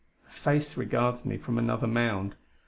A face regards me from another mound.